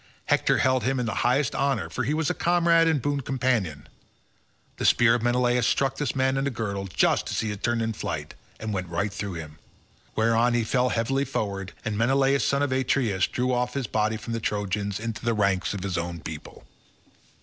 Hector held him in the highest honour for he was his comrade and boon companion; the spear of Menelaus struck this man in the girdle just as he had turned in flight, and went right through him. Whereon he fell heavily forward, and Menelaus son of Atreus drew off his body from the Trojans into the ranks of his own people.